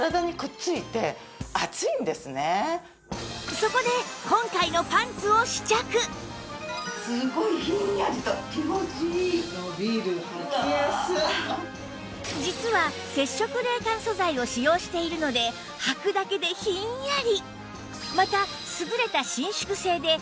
そこで実は接触冷感素材を使用しているのではくだけでひんやり！